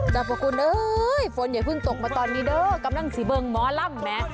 แต่บอกคุณเลยฝนอย่าเพิ่งตกมาตอนนี้เด้อกำลังเสียเบิงม้อล่ำแม้